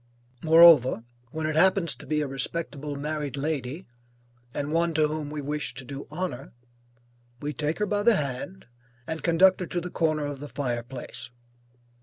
Moreover, when it happens to be a respectable married lady, and one to whom we wish to do honor, we take her by the hand and conduct her to the corner of the fire place.